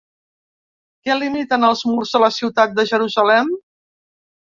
Què limiten els murs de la ciutat de Jerusalem?